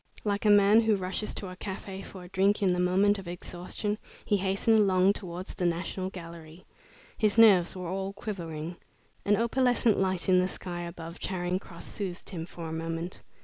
Like a man who rushes to a cafe for a drink in a moment of exhaustion, he hastened along towards the National Gallery. His nerves were all quivering. An opalescent light in the sky above Charing Cross soothed him for a moment.